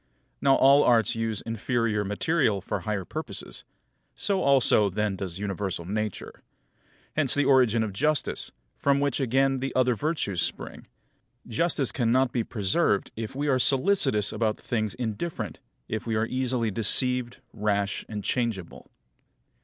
Now all Arts use inferior material for higher purposes; so also then does universal Nature. Hence the origin of justice, from which again the other virtues spring. Justice cannot be preserved if we are solicitous about things indifferent, if we are easily deceived, rash, and changeable.